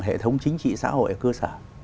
hệ thống chính trị xã hội ở cơ sở